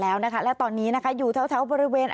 แล้วน่ะแล้วตอนนี้นะคะอยู่เท้าเท้าบริเวณ